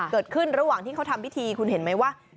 เกิดขึ้นระหว่างที่เขาทำพิธีคุณเห็นไหมว่า